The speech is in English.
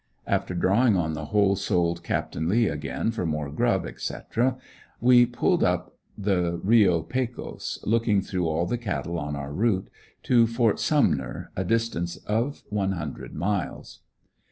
After drawing on the whole souled Capt. Lea again for more grub, etc., we pulled up the Reo Pecos looking through all the cattle on our route to Ft. Sumner, a distance of one hundred miles.